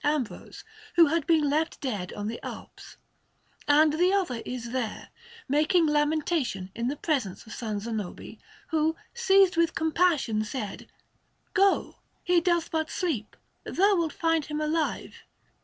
Ambrose, who had been left dead on the Alps; and the other is there, making lamentation in the presence of S. Zanobi, who, seized with compassion, said: "Go, he doth but sleep; thou wilt find him alive."